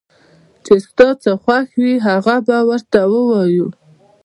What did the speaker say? چې ستا څه خوښ وي هغه به ورته ووايو